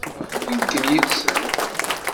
Wwin-ken yid-sen?